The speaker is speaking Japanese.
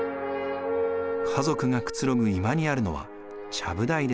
家族がくつろぐ居間にあるのはちゃぶ台です。